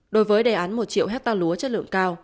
đối với đề án một triệu hectare lúa chất lượng cao